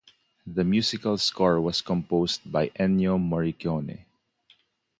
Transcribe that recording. The musical score was composed by Ennio Morricone.